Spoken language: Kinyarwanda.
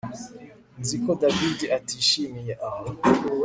Nzi ko David atishimiye aho